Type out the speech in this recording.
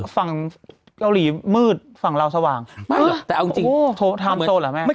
ฝั่งเกาหลีมืดฝั่งเราสว่างไม่หรอกแต่เอาจริงโอ้โหแม่